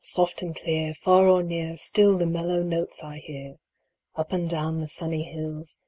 Soft and clear, Far or near, Still the mellow notes I hear ! Up and down the sunny hills.